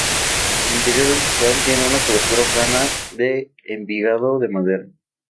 El interior del portal tiene una cobertura plana de envigado de madera.